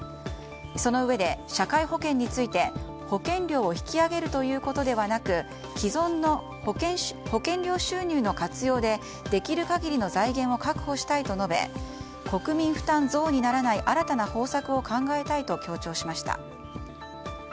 そのうえで社会保険について保険料を引き上げるということではなく既存の保険料収入の活用でできる限りの財源を確保したいと述べ国民負担増にならない新たな方策を考えたいと強調しました。